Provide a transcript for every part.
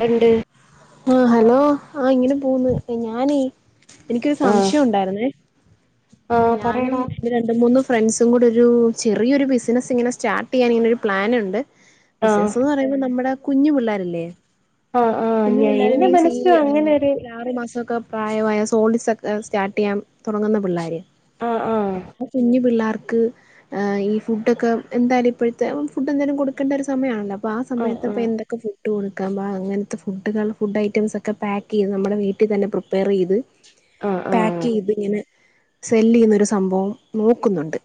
വ്ടണ്ട് ആ ഹലോ ആ ഇങ്ങനെ പോക്ന്ന് ഞാനീ എനിക്കൊരു ആഹ് സംശയോണ്ടായിരുന്നേ അ ആഹ് ഞാനും പറയടാ എ രണ്ട് മൂന്ന് ഫ്രണ്ട്സും കൂടെ ഒരു ചെറിയൊരു ബിസിനസ് ഇങ്ങനെ സ്റ്റാർട്ടെയ്യാൻ ഇങ്ങനൊരു പ്ലാനുണ്ട്. ആഹ് ബിസിനസ്ന്ന് പറയുമ്പോ നമ്മടെ കുഞ്ഞു പിള്ളേരില്ലേ? ആഹ് ആഹ് കുഞ്ഞു ഞ പിള്ളേരു എന്റെ മീൻസ് ഈ മനസ്സിലും അങ്ങനെ ഒരു ആറു മാസൊക്കെ. പ്രായമായ [unintelligible] ഒക്കെ സ്റ്റാർട്ടെയ്യാൻ തുടങ്ങുന്ന പിള്ളേര്. ആഹ് ആഹ് അപ്പൊ കുഞ്ഞു പിള്ളേർക്ക്. ആ ഈ ഫുഡ്ഡൊക്കെ എന്തായാലും ഇപ്പഴത്തെ ഫുഡ് എന്തായാലും കൊടുക്കേണ്ട ഒരു സമയാണല്ലോ? അപ്പൊ ആ ആഹ് സമയത്തപ്പ ആഹ് എന്തൊക്കെ ഫുഡ് കൊടുക്കാം ആഹ് അങ്ങൻ ത്തെ ഫുഡുകൾ ഫുഡ് ഐറ്റംസൊക്കെ പാക്കെയ്ത് നമ്മടെ വീട്ടിതന്നെ പ്രിപ്പയറെയ്ത്. ആഹ് അ. പാക്കെയ്ത് ങ്ങനെ സെല്ലെയ്യ്‌ന്നൊരു സംഭവം നോക്കുന്നുണ്ട്.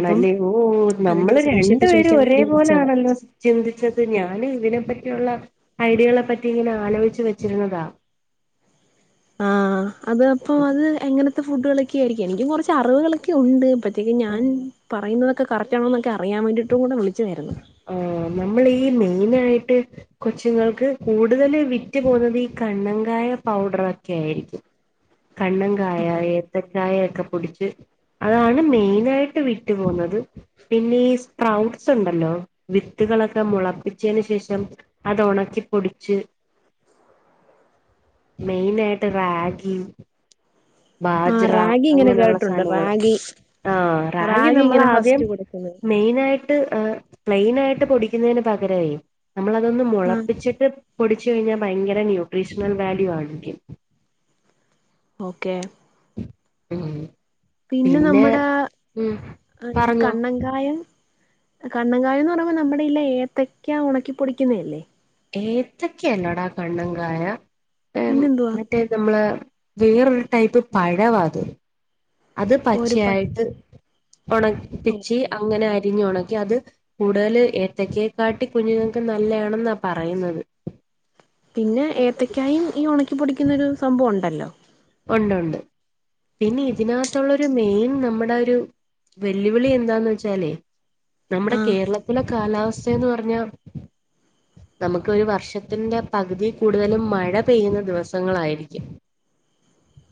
അപ്പം ഓഹ് ഓഹ് അതിന്റെ നമ്മള് ഒരു രണ്ടു സംശയമൊക്കെ പേരും ചോദിക്കാൻ ഒരേ വേണ്ടി വിളിച്ചതാ പോലാണല്ലോ. ചിന്തിച്ചത്. ഞാനും ഇതിനെപ്പറ്റിയുള്ള ഐഡിയകളെ പറ്റി ഇങ്ങനെ ആലോചിച്ചു വെച്ചിരുന്നതാ. ആഹ് അത് അപ്പ അത് എങ്ങനത്തെ ഫുഡുകളൊക്കെ ആയിരിക്കും എനിക്കും കൊറച്ച് അറിവുകളൊക്കെ ഉണ്ട്. ബ റ്റെങ്കി ഞാൻ ആഹ് പറയുന്നതൊക്കെ കറക്റ്റാണൊന്നൊക്കെ അിയാൻ വേണ്ടിയിട്ടും കൂടെ വിളിച്ചതേര്ന്നു. ആഹ് നമ്മളീ മെയിനായിട്ട് കൊച്ചുങ്ങൾക്ക് കൂടുതല് വിറ്റ് പോവ്ന്നത് ഈ കണ്ണങ്കായ പൗഡറൊക്കെ ആയിരിക്കും. കണ്ണങ്കായ ഏത്തക്കായൊക്കെ പൊടിച്ച്. അതാണ് മെയിനായിട്ട് വിറ്റു പോവുന്നത് പിന്നെ ഈ സ്പ്രൗട് സുണ്ടല്ലോ വിത്തുകളൊക്കെ മുളപ്പിച്ചേന് ശേഷം അത് ഒണക്കിപൊടിച്ച്. മെയിനായിട്ട് റാഗി ആ ബാജ്റാ റാഗി ഇങ്ങനെ അങ്ങനെള്ള കേട്ടിട്ടുണ്ട് സാനങ്ങള്. റാഗി ആഹ് റാഗി ഇങ്ങനെ നമ്മളാദ്യം ഫസ്റ്റ് കൊടുക്കുന്നത് മെയിനായി ട്ട് എഹ് പ്ലെയിനായിട്ട് പൊടിക്കുന്നേന് പകരവേ നമ്മളതൊന്ന് ആഹ് മുളപ്പിച്ചിട്ട്. പൊടിച്ചു കഴിഞ്ഞാ ഭയങ്കര ന്യൂട്രീഷണൽ വാല്യൂ ആയിരിക്കും. ഓക്കേ. ഉം. പിന്നെ നമ്മടെ ഉം ആഹ് ഈ പറഞ്ഞോ കണ്ണങ്കായ. കണ്ണങ്കായാന്ന് പറയ്മ്പൊ നമ്മുടെയിലെ ഏത്തക്കാ ഒണക്കിപ്പൊടിക്കുന്നയല്ലേ? ഏത്തക്കയല്ലടാ കണ്ണൻങ്കായ ഏഹ് പിന്നെന്തുവാ മറ്റേ നമ്മളെ വേറൊരു ടൈപ്പ് പഴവാ അത്. അത് ഒരു പ പച്ചയായിട്ട് ഒണക് പ്പിച്ചി ഓക്കെ അങ്ങനെ അരിഞ്ഞു ഒണക്കി അത് കൂടുതല് ഏത്തക്കെയെ കാട്ടി കുഞ്ഞുങ്ങക്ക് നല്ലയാണെന്നാ പറയുന്നത്. പിന്നെ ഏത്തക്കായും ഈ ഒണക്കി പൊടിക്കുന്നൊരു സംഭവം ഉണ്ടല്ലോ? ഉണ്ടുണ്ട്. പിന്നെ ഇതിനകത്തുള്ളൊരു മെയിൻ നമ്മടാ ഒരു വെല്ലുവിളി എന്താന്ന് വെച്ചാലേ നമ്മുടെ ആഹ് കേരളത്തിലെ കാലാവസ്ഥയെന്ന് പർഞ്ഞാ നമുക്ക് ഒരു വർഷത്തിന്റെ പകുതി കൂടുതലും മഴ പെയ്യുന്ന ദിവസങ്ങളായിരിക്കും.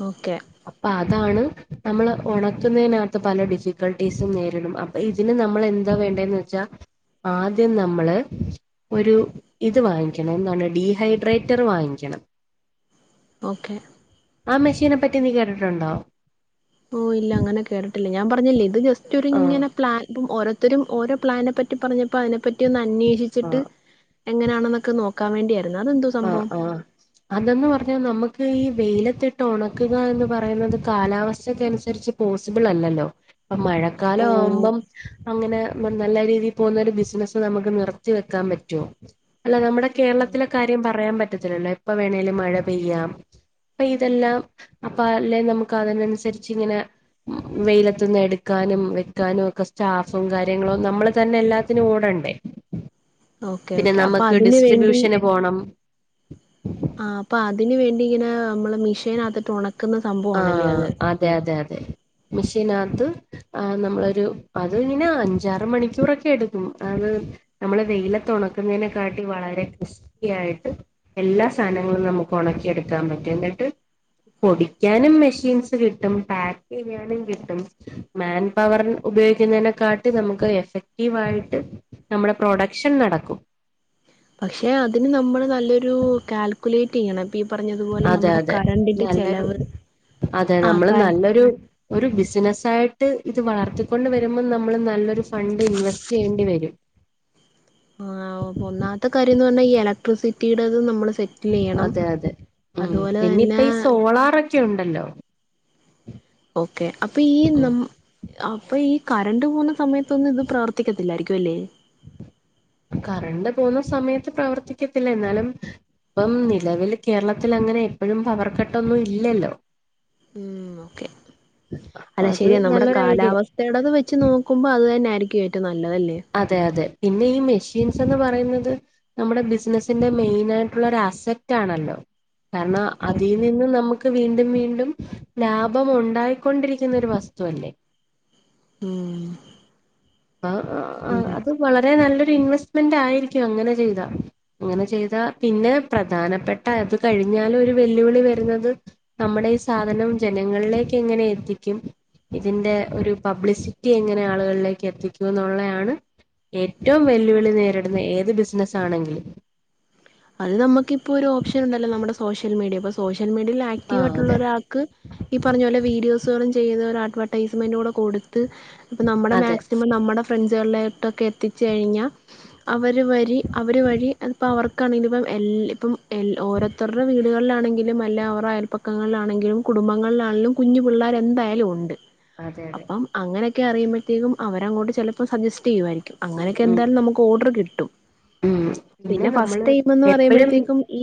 ഓക്കെ. അപ്പ അതാണ് നമ്മള് ഒണക്കുന്നെയ്നകത്ത് പല ഡിഫിക്കൾട്ടീസും നേരിടും. അ ഇതിന് നമ്മൾ എന്താ വേണ്ടേന്ന് വെച്ചാ, ആദ്യം നമ്മള് ഒരു ഇത് വാങ്ങിക്കണം എന്താണ് ഡീഹൈഡ്രേറ്റർ വാങ്ങിക്കണം. ഓക്കെ. ആ മെഷീനെ പറ്റി നീ കേട്ടിട്ടുണ്ടോ? ഓഹ് ഇല്ല, അങ്ങനെ കേട്ടിട്ടില്ല. പറ്ഞ്ഞില്ലേ ഇത് ജസ്റ്റ് ഒരു ആഹ് ഇങ്ങനെ പ്ലാൻ ഇപ്പം ഓരോത്തരും ഓരോ പ്ലാനെ പ റ്റി പറഞ്ഞപ്പോ അതിനെപ്പറ്റി ഒന്ന് അന്വേഷിച്ചിട്ട് ആഹ് എങ്ങനെയാണെന്നൊക്കെ നോക്കാൻ വേണ്ടിയായിരുന്നു. അതെന്തോ ആഹ് സംഭവം? ആഹ് അതെന്ന് പറഞ്ഞാ നമുക്ക് ഈ വെയിലത്തിട്ട് ഒണക്കുക എന്ന് പറയുന്നത് കാലാവസ്ഥക്കനുസരിച്ച് പോസിബിളല്ലല്ലോ അപ്പം ഓ മഴക്കാലാവുമ്പം അങ്ങനെ. മം നല്ല രീതിയിൽ പോകുന്ന ഒരു ബിസിനസ് നമുക്ക് നിർത്തി വെക്കാൻ പറ്റോ അല്ല നമ്മുടെ കേരളത്തിലെ കാര്യം പറയാൻ പറ്റത്തില്ലല്ലോ എപ്പ വേണേലും മഴ പെയ്യാം. അപ്പ ഇതെല്ലാം അപ്പ അല്ലേ നമുക്ക് അതിനനുസരിച്ച് ഇങ്ങനെ വെയിലത്ത്ന്ന് എടുക്കാനും വെക്കാനും ഒക്കെ സ്റ്റാഫും കാര്യങ്ങളും നമ്മള് തന്നെ എല്ലാ ത്തിനും ഓടണ്ടേ. ഓക്കെ പിന്നെ ഓക്കെ അപ്പൊ നമുക്ക് അതിന് വേണ്ടി ഡിസ്ട്രിബ്യൂഷന് പോണം. ആഹ് അപ്പൊ അതിന് വേണ്ടി ഇങ്ങനെ നമ്മള് മിഷീനകത്ത്ട്ട് ഒണ ക്ക്ന്ന സംഭ ആഹ് അതെ അതെ അതെ മിഷീനാത്ത്. ആഹ് നമ്മളൊരു അത് ഇങ്ങനെ അഞ്ചാറ് മണിക്കൂറൊക്കെ എടുക്കും അത്. നമ്മള് വെയിലത്ത് ഒണക്കുന്നെനക്കാട്ടി ഈ വളരെ ക്രിസ്പി ആയിട്ട്. എല്ലാ സാനങ്ങളും നമുക്ക് ഒണക്കിയെട്ക്കാൻ പറ്റും എന്നിട്ട് പൊടി. ഞാനും മെഷീൻസ് കിട്ടും പാക്ക് ചെയ്യാനും കിട്ടും. മാൻ പവർ ഉപയോഗിക്കുന്നെനക്കാട്ടി നമുക്ക് എഫക്റ്റീവായിട്ട്. നമ്മുടെ പ്രൊഡക്ഷൻ നടക്കും. പക്ഷേ അതിന് നമ്മള് നല്ലൊരു കാൽക്കുലേ റ്റ് ചെയ്യണം ഇപ്പ ഈ പറഞ്ഞതു പോലെ അതെ നമ്മുടെ അതെ കറണ്ടിന്റെ ചെലവ് ആഹ് കാ ഒരു. ഒരു ബിസിനസ്സായിട്ട് ഇത് വളർത്തി ക്കൊണ്ട് വരുമ്പം നമ്മൾ നല്ലൊരു ഫണ്ട് ഇൻവെസ്റ്റ് ചെയ്യേണ്ടി വരും. ആഹ് ഒന്നാമത്തെ കാര്യംന്ന് പറ്ഞ്ഞാ ഈ ഇലക്ട്രിസിറ്റിയുടെത് നമ്മള് സെ അതെ അതെ ഉം പിന്നെ ഇപ്പ തന്നെ ഈ സോളാറൊക്കെ ഉണ്ടല്ലോ. ഓക്കെ അപ്പ ഈ ഉം നമ് അപ്പൊ ഈ കരണ്ട് പോകുന്ന സമയത്തൊന്നും ഇത് പ്രവർത്തിക്കത്തില്ലായിരിക്കു അല്ലേ. കറണ്ട് പോവുന്ന സമയത്ത് പ്രവർത്തിക്കത്തില്ല എന്നാലും. പ്പം നിലവിൽ കേരളത്തിൽ അങ്ങനെ എപ്പഴും പവർ കട്ടൊന്നും ഇല്ലല്ലോ. ഉം ഓക്കെ അപ്പൊ അല്ല അത് ശരിയാ നമ്മുടെ നല്ലൊരു ഐഡിയ കാലാവ ഇടത് വെച്ച് നോക്കുമ്പ അത് തന്നെ ആയിരിക്കും ഏറ്റവും നല്ലതല്ലേ. അതെ അതെ പിന്നെ ഈ മെഷീൻസ് എന്ന് പറയുന്നത്. നമ്മുടെ ബിസ്നസിന്റെ മെയിനായിട്ടുള്ള ഒരു അസറ്റ് ആണല്ലോ കാര്ണം. അതിൽ ഓക്കെ നിന്നും നമുക്ക് വീണ്ടും വീണ്ടും ലാഭം ഉണ്ടായിക്കൊണ്ടിരിക്കുന്ന ഒരു വസ്തു അല്ലേ. ഉം ആഹ് [unintelligible] അത് വളരെ നല്ലൊരു ഇൻവെസ്റ്റ്മെന്റ് ആയിരിക്കും അങ്ങനെ ചെയ്താ. അങ്ങനെ ചെയ്താ പിന്നെ പ്രധാനപ്പെട്ട അത് കഴിഞ്ഞാലൊരു വെല്ലുവിളി വരുന്നത്. നമ്മുടെ ഈ സാധനം ജനങ്ങളിലേക്ക് എങ്ങനെ എത്തിക്കും? ഇതിന്റെ ഒരു പബ്ലിസിറ്റി എങ്ങനെ ആളുകള്ല്. എത്തിക്കൂ എന്നുള്ളയാണ് ഏറ്റവും വെല്ലുവിളി നേരിടുന്ന ഏത് ബിസ്നസ്സാണെങ്കിലും. അത് നമ്മക്കിപ്പോ ഒരു ഓപ്ഷൻ ഉ [unintelligible] നമ്മടെ സോഷ്യൽ മീഡിയ ഇപ്പോ സോഷ്യൽ മീഡിയൽ ആക്റ്റീവ് ആഹ് ആയിട്ടുള്ള അതെ ഒരാ ക്ക് ഈ പറ്ഞ്ഞ പോലെ വീഡിയോസുകളും ചെയ്ത് ഒര അഡ്വെർടൈസ്മെന്റൂടെ കൊട്ത്ത്. അപ്പൊ നമ്മുടെ അതെ മാക്സിമം നമ്മുടെ ഫ്രണ്ട്സ്കള് [unintelligible] യിട്ടൊക്കെ എത്തിച്ച് കഴിഞ്ഞാ അവർ വരി അവർ വഴി അത്പ്പ അവർ ക്കാണെ [unintelligible] ഇപ്പം എ ഇപ്പം എ ഓരോര്ത്തർടെ വീട്കള്ലാണെങ്കിലും അല്ല അവർ അയ പക്കങ്ങള്ലാണെങ്കിലും കുടുംബങ്ങള്ലാണെങ്കിലും കുഞ്ഞു പിള്ളേർ എന്തായാലും ഉണ്ട്. അതെ അതെ അപ്പം അങ്ങനെയൊക്കെ അറിയുമ്പഴ്ത്തേക്കും അവരങ്ങോട്ട് ചെലപ്പം സജെസ്റ്റ് ചെയ്യുവായിരിക്കും അങ്ങനെയൊക്കെ ഉം എന്തായാലും നമു ഓഡർ കിട്ടും. ഉം പിന്നെ നമ്മള്. ന്ന് എപ്പഴും പറയുമ്പഴ്ത്തേക്കും ഈ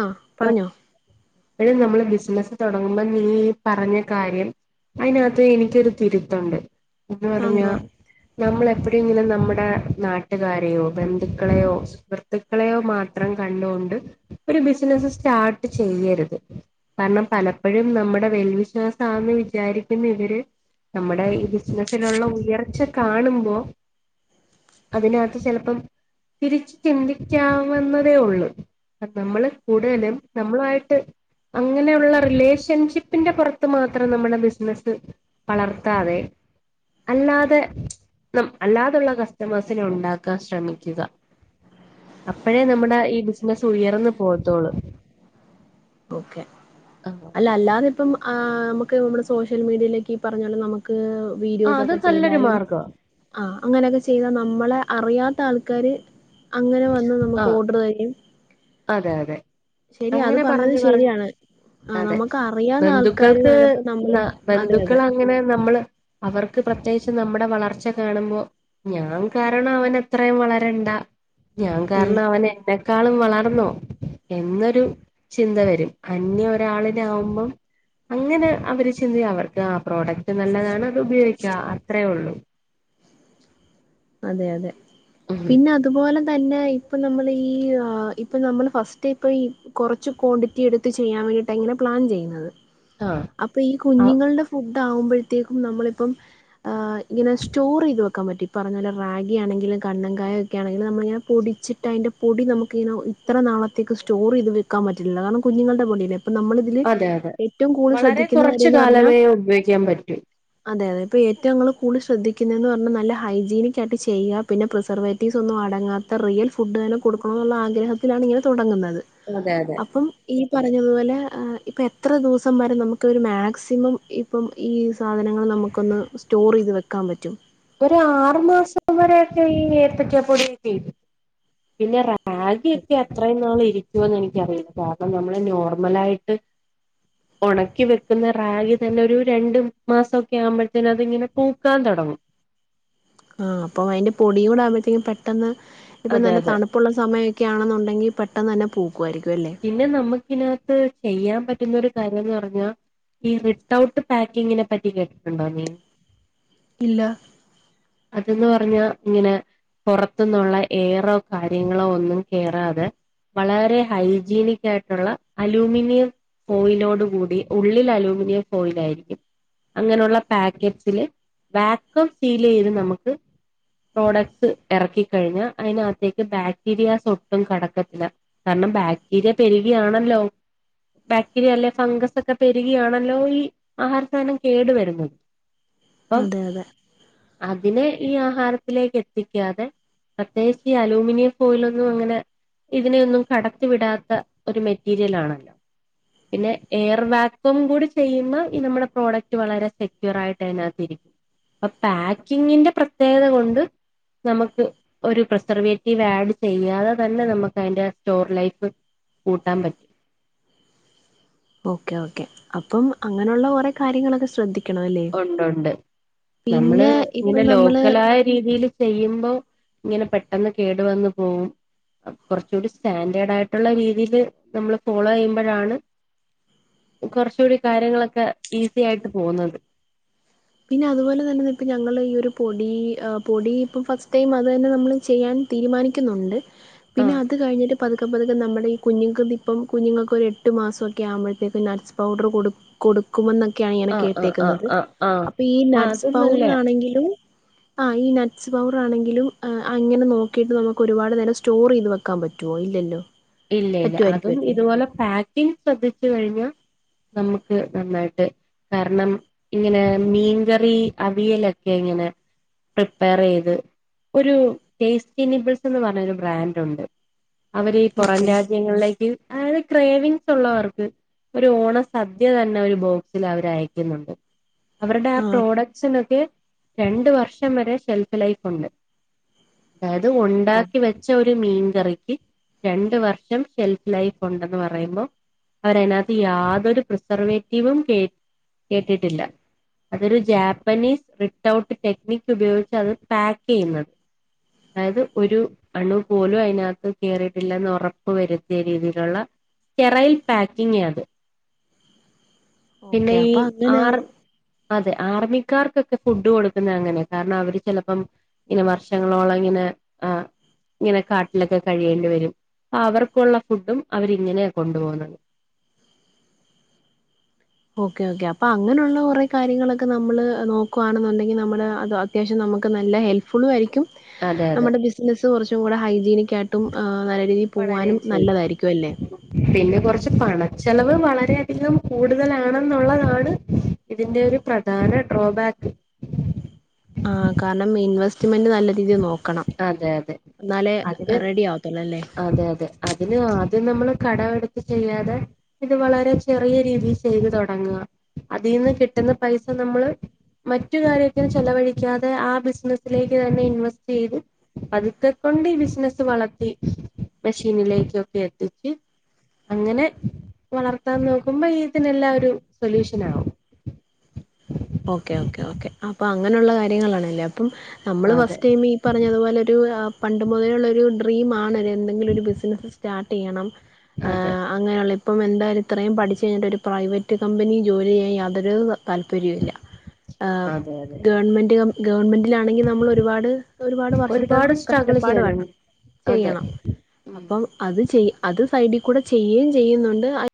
ആഹ് പറഞ്ഞോ. എ [unintelligible] നമ്മള് ബിസിനസ്സ് തൊടങ്ങുമ്പം നീ പറഞ്ഞ കാര്യം. അയിനകത്ത് എനിക്കൊരു തിരുത്തുണ്ട് എന്ന് ആഹ് പറഞ്ഞ. എന്തുവാ നമ്മളെപ്പഴെങ്കിലും നമ്മുടെ നാട്ടുകാരെയോ ബന്ധുക്കളെയോ സുഹൃത്തു ക്കളെയോ മാത്രം കണ്ടോണ്ട് ഒരു ബിസിനസ്സ് സ്റ്റാർട്ട് ചെയ്യര് കാര്ണം പലപ്പഴും നമ്മടെ വെൽവിശ്വാസാന്ന് വിചാരിക്കുന്ന ഇവര്. നമ്മുടെ ഈ ബിസിനസിലുള്ള ഉയർച്ച കാണുമ്പോ അതിനകത്ത് ചെലപ്പം തിരിച്ച് ചിന്തിക്കാവുന്നതേ ഒള്ളൂ നമ്മള് കൂടുതലും നമ്മളായിട്ട് അങ്ങനെയുള്ള റിലേഷൻഷിപ്പിന്റെ പുറത്ത് മാത്രം നമ്മുടെ ബിസിനസ്സ് വളർത്താതെ അല്ലാതെ ന അല്ലാതെയുള്ള കസ്റ്റമേഴ്സിനെ ഉണ്ടാക്കാൻ ശ്രമിക്കുക അപ്പഴേ നമ്മുടെ ഈ ബിസിനസ്സ് ഉയർന്നു പോകത്തൊള്ളു ഓക്കെ അല്ല അല്ലാതെ ഇപ്പം ആ നമുക്ക് നമ്മുടെ സോഷ്യൽ മീഡിയയിലേക്ക് പറഞ്ഞെ നമുക്ക് മുക് ആ വീഡിയോസ് അത് ഒക്കെ നല്ലൊരു ചെയ്താലും മാർഗവാ ആഹ് അങ്ങനെയൊക്കെ ചെയ്താൽ നമ്മളെ അറിയാത്ത ആൾക്കാർ അങ്ങനെ വന്ന് ആ നമുക്ക് ഓർഡർ തരും അതെ അതെ ശരി അത് അങ്ങനെ പറഞ്ഞത് പറഞ്ഞു പറഞ്ഞു ശരിയാണ് ആഹ് അതെ നമുക്ക് അറിയാവുന്ന ആൾക്കാര് ബന്ധുക്കൾക്ക് ചെലപ്പോ നമ്മള് ന അതെ അതെ ബന്ധുക്കൾ അങ്ങനെ നമ്മള് അവർക്ക് പ്രത്യേകിച്ച് നമ്മുടെ വളർച്ച കാണുമ്പോ ഞാൻ കാരണം അവൻ അത്രയും വളരണ്ട ഞാൻ ഉം കാരണം അവൻ എന്നെക്കാളും വളർന്നോ എന്നൊരു ചിന്ത വരും അന്യ ഒരാളിനെ ആവുമ്പം അങ്ങനെ അവര് ചിന്തി അവർക്ക് ആ പ്രോഡക്ട് നല്ലതാണ് അത് ഉപയോഗിക്ക അത്രേ ഒള്ളൂ അതെ അതെ ഉം പിന്നെ അതുപോലെ തന്നെ ഇപ്പ നമ്മള് ഈ ഇപ്പ നമ്മൾ ഫസ്റ്റ് ഇപ്പ ഈ കൊറച്ച് ക്വാണ്ടി റ്റി എടുത്ത് ചെയ്യൻേണ്ടീട്ട് ഇങ്ങനെ പ്ലാൻ ചെയ്യ്ന്നത് ആഹ് അപ്പൊ ഈ കുഞ്ഞുങ്ങളുടെ ഫുഡ് ആകുമ്പോഴത്തേക്കും നമ്മളിപ്പം ഹെ ഇങ്ങന സ്റ്റോർ ഈത് വെക്കാൻ പറ്റും പറഞ്ഞ പോലെ റാഗിയാണെങ്കിലും കണങ്കായൊ ഒക്കെ ആണെങ്കി നമ്മളിങ്ങനെ പൊടിച്ചിട്ട് തിൻ്റെ പൊടി നമുക്കങ്ങനെ ഇത്ര നാളത്തേക്ക് സ്റ്റോർ ഈത് വെക്കാൻ പറ്റില്ല കാരണം കുഞ്ഞുങ്ങളുടെ പൊടിയല്ലേ നമ്മളിതില് അതെ അതെ ഏറ്റവും കൂടുതൽ വളരെ ശ്രദ്ധിക്കുന്ന കുറച്ചു കാര്യംന്ന് പറഞ്ഞാ കാലമേ ഉപയോഗിക്കാൻ പറ്റൂ അതെ അതെ ഇപ്പൊ ഏറ്റവും ഞങ്ങൾ കൂടുൽ ശ്രദ്ധിക്കുന്നത് പറഞ്ഞാൽ നല്ല ഹൈജീനിക് ആയിട്ട് ചെയ്യ പിന്നെ പ്രിസർവേറ്റീവ്സ് ഒന്നും അടങ്ങാത്ത റിയൽ ഫുഡ് തന്നെ കൊടുക്കണോ ന്നുള്ള ആഗ്രഹ ണ് ഇങ്ങനെ തുടങ്ങുന്നത് അതെ അതെ അപ്പം ഈ പറഞ്ഞതുപോലെ ഇപ്പൊ എത്ര ദിവസം വരെ നമുക്കിതിൽ ഒരു മാക്സിമം ഇപ്പം ഈ സാധനങ്ങൾ നമുക്കൊന്ന് സ്റ്റോർ ഈത് വെക്കാൻ പറ്റും ഒരു ആറു മാസം വരെെയൊക്കെ ഈ ഏത്തക്കാ പൊടി ചെയ്തു പിന്നെ റാ റാഗിയൊക്കെ ഓക്കെ അത്രയും നാള് ഇരിക്കുവോന്ന് എനിക്കറിയില്ല കാരണം നമ്മള് നോർമലായിട്ട് [inaudible] ഉണക്കി വെക്കുന്ന റാഗ് തന്നെ ഒരു രണ്ടു മാസൊക്കെ ആവുമ്പോഴത്തേനും അതിങ്ങനെ പൂക്കാൻ തൊടങ്ങും ആഹ് അപ്പം അതിൻ്റെ പൊടിയും കൂടെ ആവുമ്പോഴത്തേക്കും പെട്ടെന്ന് ഇപ്പം അതെ നല്ല അതെ തണു പ്പുള്ള സമയമക്കെയാണെന്നുണ്ടെങ്കിൽ പെട്ടെന്ന് തന്നെ പൂക്കുമായിരിക്കും ല്ലേ പിന്നെ നമുക്കിതിനകത്ത് ചെയ്യാൻ പറ്റുന്നാ ഒരു കാര്യംന്ന് പറഞ്ഞാൽ ഈ റിട്ടഔട്ട് പാക്കിങ്ങിനെ പറ്റി കേട്ടിട്ടുണ്ടോ നീ ഇല്ല അതന്ന് പറഞ്ഞാ ഇങ്ങനെ പൊറത്തുന്നുള്ള ഏറോ കാര്യങ്ങളോ ഒന്നും കേറാതെ വളരെ ഹൈ ജീനിക്കായിട്ടുള്ള അലൂമിനിയം ഫോയിലോട് കൂടി ഉള്ളിൽ അലൂമിനിയം ഫോയിലായിരിക്കും അങ്ങനെയുള്ള പാക്കറ്റ്സില് വാക്കം സീൽ എയ്ത് നമക്ക് പ്രോഡക്ട്സ് ഇറക്കി കഴിഞ്ഞാൽ അതിനത്തേക്ക് ബാക്ടീരിയാസ് ഒട്ടും കടക്കത്തില്ല കാരണം ബാക്ടീരിയ പെരുകിയാണല്ലോ ബാക്ടീരിയ അല്ലെ ഫംഗസ് ഒക്കെ പെരുകിയാണല്ലോ ഈ ആഹാര സാധനം കേടുവരുന്നത് അപ്പം അതെ അതെ അതിനെ ഈ ആഹാരത്തിലേക്ക് എത്തിക്കാതെ പ്രത്യേകിച്ച് ഈ അലൂമിനിയം ഫോയിലൊന്നും അങ്ങനെ ഇതിനെയൊന്നും കടത്തി വിടാ ഒരു മെറ്റീരിയൽ ആണല്ലോ പിന്നെ എയർ വാക്കും കൂടി ചെയ്യുന്ന ഈ നമ്മുടെ പ്രോഡക്റ്റ് വളരെ സെക്യൂർ ആയിട്ട് അതിനകത്തിരിക്കും അപ്പൊ പാക്കിങ്ങിന്റെ പ്രത്യേകത കൊണ്ട് നമുക്ക് ഒരു പ്രിസർവേറ്റീവ് ആഡ് ചെയ്യാതെ തന്നെ നമുക്ക് അതിന്റെ സ്റ്റോർ ലൈഫ് കൂട്ടാൻ പറ്റും ഓക്കേ ഓക്കേ അപ്പം അങ്ങനെയുള്ള കൊറേ കാര്യങ്ങളൊക്കെ ശ്രദ്ധിക്ക ഒണ്ടൊണ്ട് നമ്മള് പിന്നെ ഇപ്പൊ ഇങ്ങനെ നമ്മള് ലോക്കലായ രീതിയിൽ ചെയ്യുമ്പോ ഇങ്ങനെ പെട്ടെന്ന് കേടു വന്ന് പോകും കുറച്ചൂടി സ്റ്റാൻഡേർഡ് ആയിട്ടുള്ള രീതിൽ നമ്മള് ഫോളോ ചെയ്യുമ്പോഴാണ് കുറച്ചൂടി കാര്യങ്ങളൊക്കെ ഈസി ആയിട്ട് പോകുന്നത് പിന്നെ അതുപോലെ തന്നെ ഇപ്പ ഞങ്ങൾ ഈ ഒരു പൊടി പൊടി ഇപ്പം ഫസ്റ്റ് ടൈം അത് തന്നെ നമ്മൾ ചെയ്യാൻ തീരുമാനിക്കുന്നുണ്ട് ആ പിന്നെ അത് കഴിഞ്ഞിട്ട് പതുക്കെ പതുക്കെ നമ്മുടെ കുഞ്ഞങ്ങൾ ഇപ്പം കുഞ്ഞുങ്ങൾക്ക് ഒരു എട്ട് മാസൊക്കെ ആവുമ്പഴത്തേക്ക് നട്സ് പൗഡർ കൊടുക്കും കൊടുക്കുമെന്നൊക്കെയാണ് ഞാന് ആ ആ ആ കേട്ടേക്കുന്നത് ആ ആ അപ്പൊ ഈ ആ നട്ട്സ് അത് നല്ലയാ പൗഡർ ആണെങ്കിലും ആ ഈ നട്സ് പൗഡറാണെങ്കിലും അങ്ങനെ നോക്കിയിട്ട് നമുക്ക് ഒരുപാട് നേരം സ്റ്റോർ ചെയ്ത് വെ വക്കാൻ പറ്റുമോ ഇല്ലല്ലോ ഇല്ല ഇല്ല അതും പറ്റുമായിരിക്കുമല്ലേ ഇതുപോലെ പാക്കിങ് ശ്രദ്ധിച്ചു കഴിഞ്ഞ നമുക്ക് നന്നായിട്ട് കാരണം ഇങ്ങനെ മീൻകറി അവിയലൊക്കെ ഇങ്ങനെ പ്രിപ്പയർ ചെയ്ത് ഒരു ടേസ്റ്റി നിബിൾസ് എന്ന് പറഞ്ഞ ഒരു ബ്രാൻഡ് ഉണ്ട് അവര് പുറം ഓക്കെ രാജ്യങ്ങളിലേക്ക് അതായത് ക്രേവിങ്സ് ഉള്ളവർക്ക് ഒരു ഓണ സദ്യ തന്നെ ഒരു ബോക്സിൽ അവര് അയക്കുന്നുണ്ട് അവരുടെ ആ പ്രോഡക്റ്റ് ക്കെ രണ്ട് വർഷം വരെ ഷെൽഫ് ലൈഫ് ഉണ്ട് അതായത് ഉണ്ടാക്കി വെച്ച ഒരു മീൻകറിക്ക് രണ്ട് വർഷം ഷെൽഫ് ലൈഫ് ഉണ്ടെന്ന് പറയുമ്പോ അവര് അതിനാത്ത് യാതൊരു പ്രിസർവേറ്റീവും കേ കേറ്റിട്ടില്ല അതൊരു ജാപ്പനീസ് റിട്ട്ഔട്ട് ടെക്നിക്ക് ഉപയോഗിച്ച് അത് പാക്ക് ചെയ്യുന്നത് അതായത് ഒരു അണു പോലും അതിനാത്ത് കേറി ഉറപ്പ് വരുത്തിയ രീതിയിലുള്ള സ്റ്റെറൈൽ പാക്കിംഗ് അത് പിന്നെ ഓക്കെ ഈ അപ്പൊ അങ്ങനെയാ ആർ അതെ ആർമിക്കാർക്കൊക്കെ ഫുഡ് കൊടുക്കുന്ന അങ്ങനെ കാരണം അവര് ചിലപ്പം ഇങ്ങനെ വർഷങ്ങളോളം ഇങ്ങനെ ആ ഇങ്ങനെ കാട്ടിലൊക്കെ കഴിയേണ്ടി വരും അപ്പൊ അവർക്കുള്ള ഫുഡും അവരിങ്ങനെയാണ് കൊണ്ടു പോകുന്നത് ഓക്കെ ഓക്കെ അപ്പൊ അങ്ങനെയുള്ള കുറെേ കാര്യങ്ങളൊക്കെ നമ്മള് നോക്കുകവാണെന്നുണ്ടെങ്കിൽ നമ്മള് അത് അത്യാവശ്യം നമുക്ക് നല്ല ഹെൽപ് ഫുള്ളും ആയിരിക്കും അതെ അതെ നമ്മുടെ ബിസിനസ്സ് കുറച്ചും കൂടെ ഹൈജീനിക്ക് ആയിട്ട് ഒട്ടും നല്ല രീതിയിൽ പോകാനും വളരെയും ചെയ്യും നല്ലതായിരിക്കും അല്ലേ പിന്നെ കുറച്ച് പണച്ചെലവ് വളരെയധികം കൂടുതലാണെന്നുള്ളതാണ് ഇതിന്റെ ഒരു പ്രധാന ഡ്രോബാക്ക് ആ കാരണം ഇൻവെസ്റ്റ്മെന്റ് നല്ല രീതിയിൽ നോക്ക ക്കണം അതെ അതെ എന്നാലെ അതിന് റെഡി ആവത്തൊള്ള് അല്ലേ അതെ അതെ അതിന് ആദ്യം നമ്മള് കടവെടുത്ത് ചെയ്യാതെ ഇത് വളരെ ചെറിയ രീതി ചെയ്ത് തൊടങ്ങുവ അതിന്ന് കിട്ടുന്ന പൈസ നമ്മള് മറ്റു കാര്യൊക്കെ ചെലവഴിക്കാതെ ആ ബിസിനസിലേക്ക് തന്നെ ഇൻവെസ് ചെയ്ത് അതൊക്കെ കൊണ്ട് ഈ ബിസിനസ് വളർത്തി മെഷീനിലേക്ക് ഒക്കെ എത്തിച്ച് അങ്ങനെ വളർത്താൻ നോക്കുമ്പോ ഇതിനെല്ലാം ഒരു സൊല്യൂഷൻ ആവും ഓക്കെ ഓക്കെ ഓക്കെ അപ്പം അങ്ങനെയൊള്ള കാര്യങ്ങളണല്ലേ അപ്പം നമ്മള് അതെ ഫസ്റ്റ് ടൈം പറഞ്ഞത് പോലൊരു പണ്ട് മൊതലേ ഒള്ളൊരു ഡ്രീമാണ് എന്തെങ്കിലും ഒര് ബിസിനസ് സ്റ്റാട്ട്‌ ചെയ്യണം അതെ അങ്ങനെയൊള്ള ഇപ്പം എന്തായാലും ഇത്രയും പഠിച്ച് കഴിഞ്ഞിട്ട് ഒരു പ്രൈവറ്റ് കമ്പനി ജോലി ചെയ്യാൻ യാതൊരു താല്പര്യവും ഇല്ല ആഹ് അതെ അതെ ഗവൺമെന്റ് ക ഗവൺമെന്റിലാണെങ്കി നമ്മള് ഒരുപാട് ഒരുപാട് വർഷത്തെ ഒരുപാട് സ്ട്രഗിൾ കഷ്ടപ്പാട് ചെയ്യണം വേണം അതെ ചെയ്യണം ഉം അപ്പം അത് ചെയ് അത് സൈഡി കൂടെ ചെയ്യെയും ചെയ്യുന്നുണ്ട്